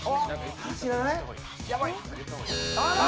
知らない？